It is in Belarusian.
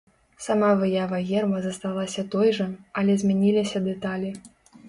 Сама выява герба засталася той жа, але змяніліся дэталі.